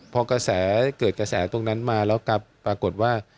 พอกระแสเกิดกระแสตรงนั้นมาแล้วกลับปรากฏว่า